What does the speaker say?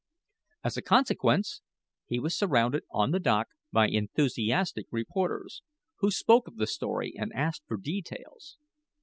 As a consequence, he was surrounded on the dock by enthusiastic reporters, who spoke of the story and asked for details.